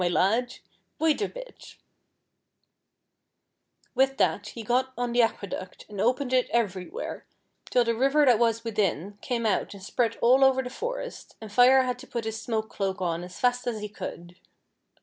my lad .'' Wait a bit !" With that he got on the aqueduct, and opened it everywhere, till the river that was within came out FIKE AND WATER. 115 and spread over all the forest, and Fire had to put his smoke cloak on as fast as he could.